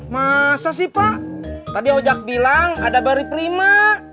masa sih pak tadi ojak bilang ada bari prima